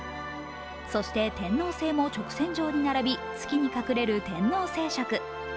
そして、天王星も直線上に並び、月に隠れる天王星食。